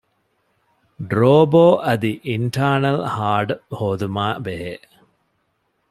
ޑްރޯބޯ އަދި އިންޓާރނަލް ހާޑް ހޯދުމާބެހޭ